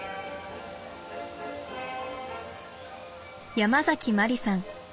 ヤマザキマリさん。